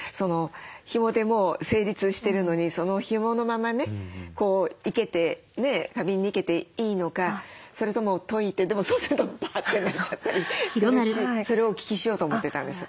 ひもでもう成立してるのにひものままね生けて花瓶に生けていいのかそれとも解いてでもそうするとバッてなっちゃったりするしそれをお聞きしようと思ってたんです。